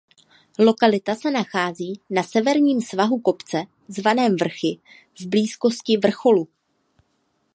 Lokalita se nachází na severním svahu kopce zvaném Vrchy v blízkosti vrcholu.